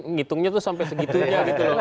ngitungnya itu sampai segitunya